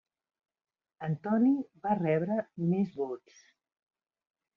Antoni var rebre més vots.